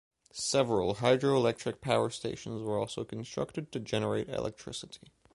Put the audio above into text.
Several hydro-electric power stations were also constructed to generate electricity.